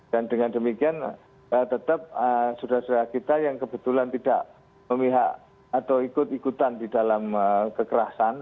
dan dengan demikian tetap saudara saudara kita yang kebetulan tidak memihak atau ikut ikutan di dalam kekerasan